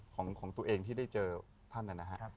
ของตัวเองที่ได้เจอท่านนะครับ